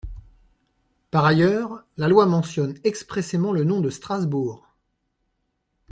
Par ailleurs, la loi mentionne expressément le nom de Strasbourg.